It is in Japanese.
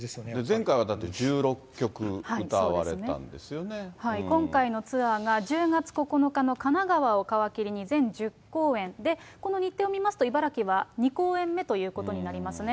前回はだって、今回のツアーが、１０月９日の神奈川を皮切りに全１０公演、で、この日程を見ますと、茨城は２公演目ということになりますね。